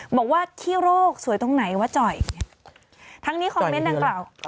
บอกว่าขี้โรคสวยตรงไหนวะจ่อยทั้งนี้คอมเมนต์ดังกล่าว